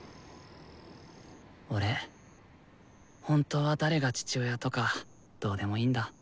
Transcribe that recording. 俺本当は誰が父親とかどうでもいいんだ。